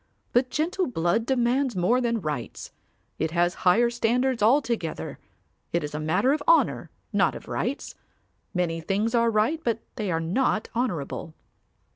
But gentle blood demands more than rights. It has higher standards altogether. It is a matter of honour, not of rights. Many things are right but they are not honourable.